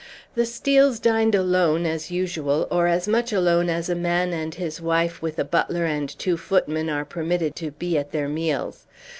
The Steels dined alone, as usual, or as much alone as a man and his wife with a butler and two footmen are permitted to be at their meals.